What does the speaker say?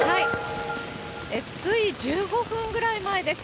つい１５分ぐらい前です。